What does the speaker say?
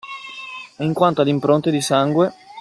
E in quanto alle impronte di sangue.